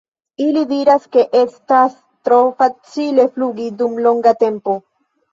Ili diras ke estas tro malfacile flugi dum longa tempo.